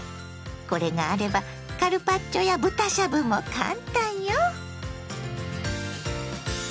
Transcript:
これがあればカルパッチョや豚しゃぶもカンタンよ。